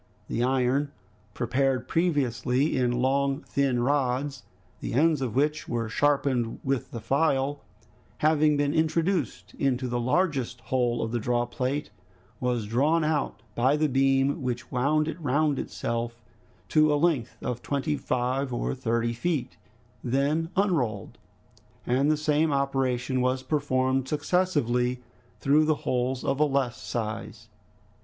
The iron, prepared previously in long thin rods, the ends of which were sharpened with the file, having been introduced into the largest hole of the drawplate, was drawn out by the beam which wound it round itself, to a length of twenty five or thirty feet, then unrolled, and the same operation was performed successively through the holes of a less size.